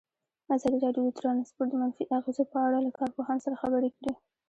ازادي راډیو د ترانسپورټ د منفي اغېزو په اړه له کارپوهانو سره خبرې کړي.